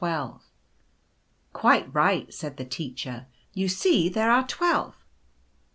Quite right," said the Teacher, " you see there are twelve.